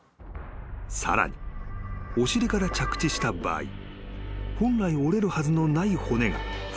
［さらにお尻から着地した場合本来折れるはずのない骨が２つ折れていた］